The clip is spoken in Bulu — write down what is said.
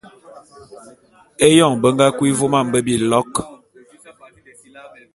Eyon be nga kui vôm a mbe bilok.